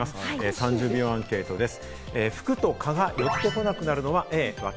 ３０秒アンケートです。